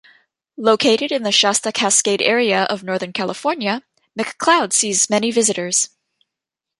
Located in the Shasta Cascade area of Northern California, McCloud sees many visitors.